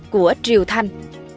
của triều thanh